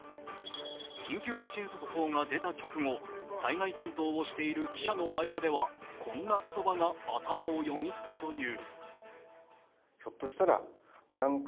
緊急地震速報が出た直後災害担当をしている記者の間ではこんな言葉が頭をよぎったという。